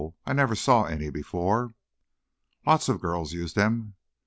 I never saw any before." "Lots of girls use them."